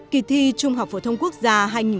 kỳ thi trung học phổ thông quốc gia